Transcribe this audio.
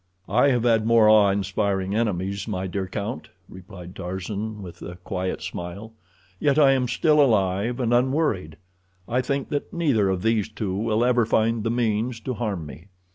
"I have had more awe inspiring enemies, my dear count," replied Tarzan with a quiet smile, "yet I am still alive and unworried. I think that neither of these two will ever find the means to harm me."